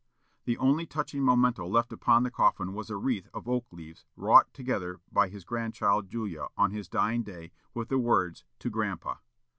The only touching memento left upon the coffin was a wreath of oak leaves wrought together by his grandchild Julia, on his dying day, with the words, "To Grandpa."